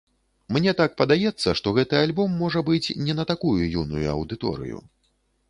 Мне так падаецца, што гэты альбом, можа быць, не на такую юную аўдыторыю.